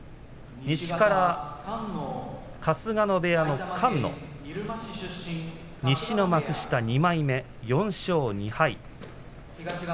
西から春日野部屋の菅野西の幕下２枚目、４勝２敗。